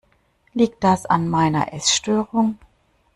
Liegt das an meiner Essstörung?